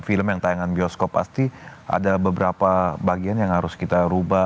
film yang tayangan bioskop pasti ada beberapa bagian yang harus kita rubah